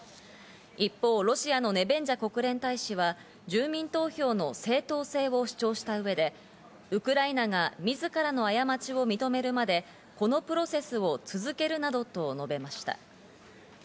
一方、ロシアのネベンジャ国連大使は住民投票の正当性を主張した上でウクライナが自らの過ちを認めるまで、このプロセスを続けるなどと述べました。